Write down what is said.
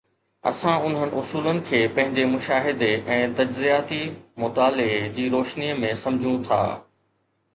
اسان انهن اصولن کي پنهنجي مشاهدي ۽ تجزياتي مطالعي جي روشنيءَ ۾ سمجهون ٿا